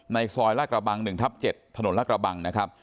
ในซอยละกระบังหนึ่งทับเจ็ดถนนละกระบังนะครับ